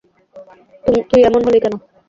তুই এমন হলি কেন?